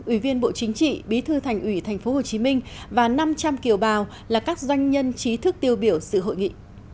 ủy viên bộ chính trị bí thư thành ủy tp hcm và năm trăm linh kiều bào là các doanh nhân trí thức tiêu biểu sự hội nghị